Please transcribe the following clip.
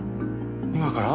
今から？